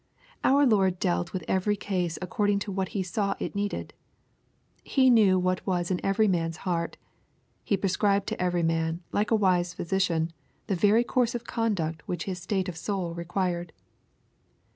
Our Lord dealt with every case according to what He saw it needed. He knew what was in every man's heart He prescribed to every man, like a wise physician, the very course of conduct which his state of soul required.